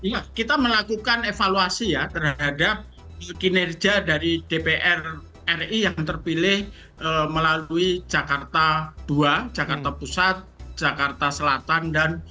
ya kita melakukan evaluasi ya terhadap kinerja dari dpr ri yang terpilih melalui jakarta dua jakarta pusat jakarta selatan